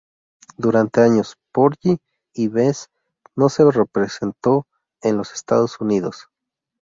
Durante años, Porgy y Bess no se representó en los Estados Unidos.